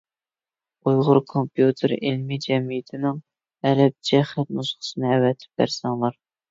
ئۇيغۇر كومپيۇتېر ئىلمى جەمئىيىتىنىڭ ئەرەبچە خەت نۇسخىسىنى ئەۋەتىپ بەرسەڭلار.